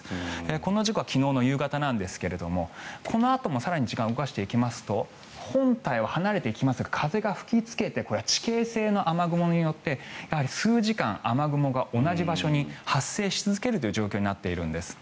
この時刻は昨日の夕方なんですがこのあとも更に時間を動かしていきますと本体は離れていきますが風が吹きつけてこれは地形性の雨雲によって数時間、雨雲が同じ場所に発生し続ける状況になっているんです。